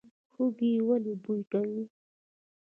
هوږه ولې بوی کوي؟